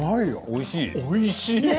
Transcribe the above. おいしい！